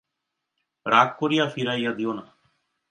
রাগ করিয়া ফিরাইয়া দিয়ো না।